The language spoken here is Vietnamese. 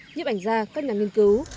nhiệm ảnh gia các nhà nghiên cứu